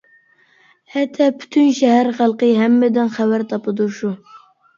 ئەتە پۈتۈن شەھەر خەلقى ھەممىدىن خەۋەر تاپىدۇ شۇ.